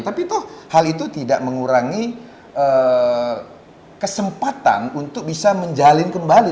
tapi toh hal itu tidak mengurangi kesempatan untuk bisa menjalin kembali